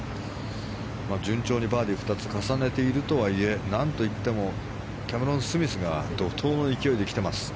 順調にバーディー２つ重ねているとはいえなんといってもキャメロン・スミスが怒とうの勢いで来てます。